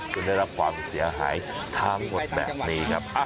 ได้รับความเสียหายทั้งหมดแบบนี้ครับ